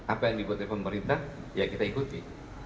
apa yang dibuat oleh pemerintah ya kita ikuti